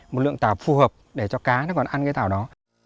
một lượng tảo phù hợp để cho cá nó còn ăn cái tảo đó